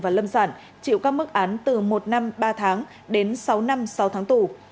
và lâm sản chịu các mức án từ một năm ba tháng đến sáu năm sáu tháng tù